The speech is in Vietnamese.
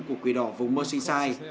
của quỷ đỏ vùng merseyside